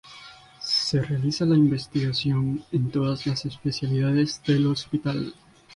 Se realiza investigación en todas las especialidades del hospital.